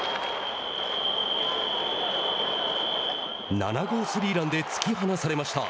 ７号スリーランで突き離されました。